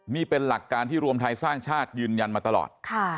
นี่เป็นหลักการที่รวมไทยสร้างชาติยืนยันมาตลอด